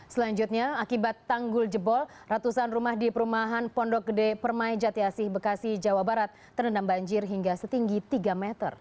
selanjutnya akibat tanggul jebol ratusan rumah di perumahan pondok gede permai jati asih bekasi jawa barat terendam banjir hingga setinggi tiga meter